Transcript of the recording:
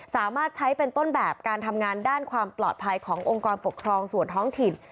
สามารถใช้เป็นต้นแบบการทำงานด้านความปลอดภัยขององค์กรปกครองส่วนท้องถิ่น